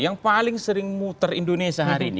yang paling sering muter indonesia hari ini